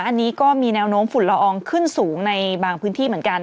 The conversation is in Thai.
อันนี้ก็มีแนวโน้มฝุ่นละอองขึ้นสูงในบางพื้นที่เหมือนกัน